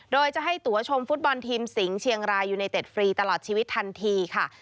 โดยจะให้ตัวชมฟุตบอลทีมสิงเชียงรายยูไนเต็ดฟรีตลอดชีวิตทันทีค่ะ